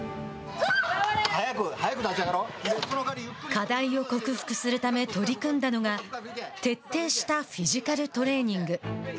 課題を克服するため取り組んだのが徹底したフィジカルトレーニング。